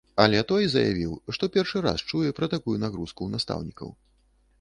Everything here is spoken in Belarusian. Але той заявіў, што першы раз чуе пра такую нагрузку ў настаўнікаў.